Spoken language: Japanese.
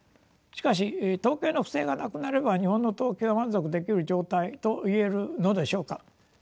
しかし統計の不正がなくなれば日本の統計は満足できる状態と言えるのでしょうか。